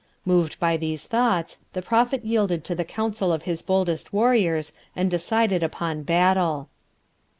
Moved by these thoughts, the Prophet yielded to the counsel of his boldest warriors and decided upon battle.